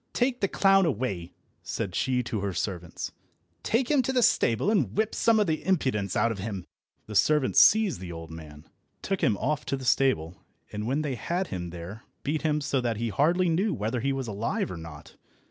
Take the clown away," said she to her servants. "Take him to the stable, and whip some of the impudence out of him." The servants seized the old man, took him off to the stable, and when they had him there beat him so that he hardly knew whether he was alive or not.